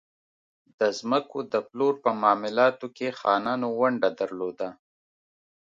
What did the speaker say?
د ځمکو د پلور په معاملاتو کې خانانو ونډه درلوده.